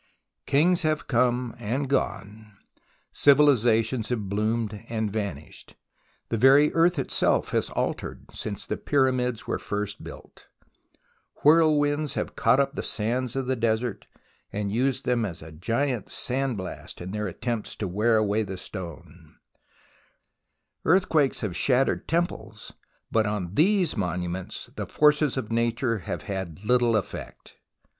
Kings have come and gone, civilizations have bloomed and vanished, the very earth itself has altered since the Pyramids were first built. Whirl winds have caught up the sands of the desert and used them as a giant sandblast in their attempts to wear away the stone, earthquakes have shattered temples, but on the monuments the forces of Nature have had little effect.